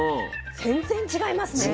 全然違いますね。